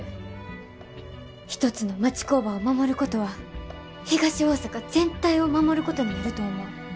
一つの町工場を守ることは東大阪全体を守ることになると思う。